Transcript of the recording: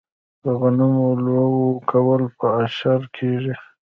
د غنمو لو کول په اشر کیږي.